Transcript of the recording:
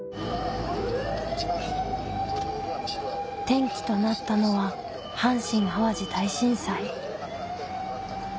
転機となったのは阪神・淡路大震災。